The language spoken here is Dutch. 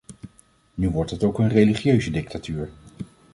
Nu wordt het ook een religieuze dictatuur.